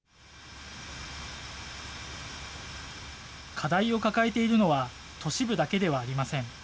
課題を抱えているのは都市部だけではありません。